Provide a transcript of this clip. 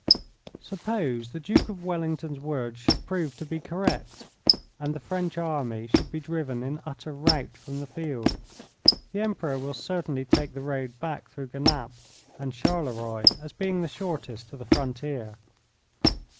"Suppose the Duke of Wellington's words should prove to be correct, and the French army should be driven in utter rout from the field, the Emperor will certainly take the road back through Genappe and Charleroi as being the shortest to the frontier.